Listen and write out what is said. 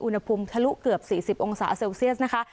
อุณหภูมิทะลุเกือบ๔๐องศาเซลเซลเซียสนะคะ